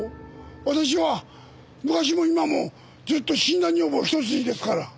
私は昔も今もずっと死んだ女房一筋ですから。